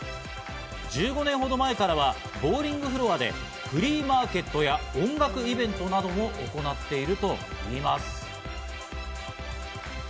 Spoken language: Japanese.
１５年ほど前からボウリングフロアでフリーマーケットや音楽イベントなども行っているといいます。